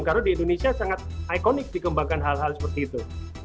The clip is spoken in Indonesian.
karena di indonesia sangat ikonik dikembangkan hal hal seperti itu